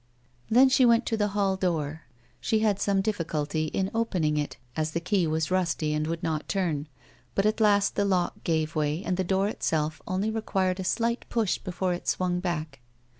Then she went to the hall door. She had some difficulty in opening it as the key was rusty and would not turn, but at last the lock gave way, and the door itself only required a slight push before it swung back.